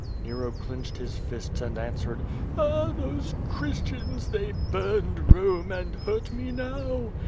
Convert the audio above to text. Nero clenched his fists and answered: "Ah, tliose Christians! they burned Rome and hurt me now.